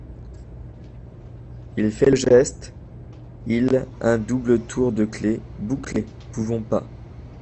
Il fait le geste il un double tour de clef. bouclés !… pouvons pas !…